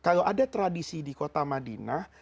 kalau ada tradisi di kota madinah